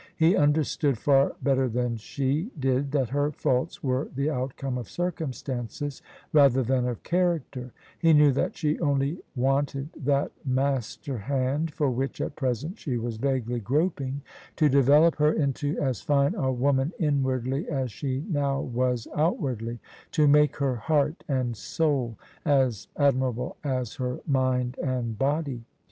He understood far better than she did that her faults were the outcome of circumstances rather than of character : he knew that she only wanted that master hand, for which at present she was vaguely groping, to develop her into as fine a woman inwardly as she now was outwardly — to make her heart and soul as admirable as her mind and body.